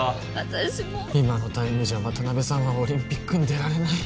私も今のタイムじゃ渡邉さんはオリンピックに出られない